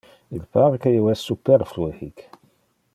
Il pare que io es superflue hic.